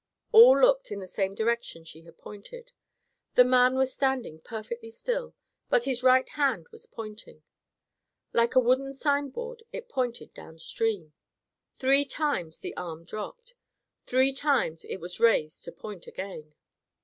All looked in the direction she had pointed. The man was standing perfectly still, but his right hand was pointing. Like a wooden signboard, it pointed downstream. Three times the arm dropped. Three times it was raised to point again.